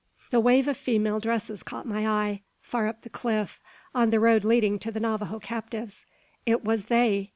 The wave of female dresses caught my eye, far up the cliff, on the road leading to the Navajo captives. It was they!